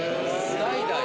代々。